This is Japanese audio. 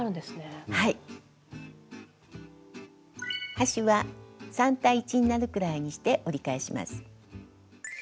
端は３対１になるくらいにして折り返します。